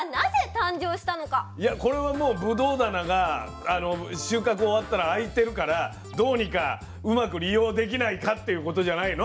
これはもうぶどう棚が収穫終わったら空いてるからどうにかうまく利用できないかっていうことじゃないの？